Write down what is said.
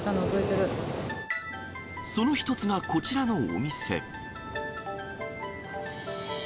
その一つがこちらのお店。